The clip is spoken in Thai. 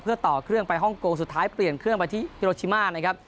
เพื่อต่อเครื่องไปฮ่องกงสุดท้ายเปลี่ยนเครื่องไปที่กิโรชิมานะครับ